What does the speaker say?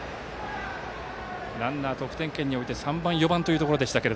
ランナー、得点圏に置いて３番、４番でしたが。